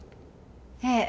ええ。